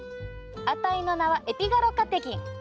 あたいの名はエピガロカテキン！